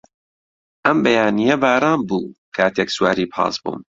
ئەم بەیانییە باران بوو کاتێک سواری پاس بووم.